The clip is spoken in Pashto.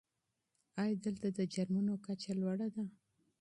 آیا دلته د جرمونو کچه لوړه ده؟